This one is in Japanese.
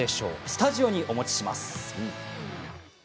スタジオにお持ちします。